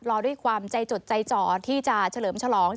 รอด้วยความใจจดใจจ่อที่จะเฉลิมฉลอง